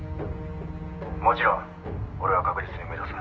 「もちろん俺は確実に埋めたさ」